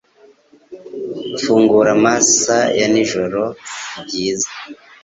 gufungura amasa ya nijoro si byiza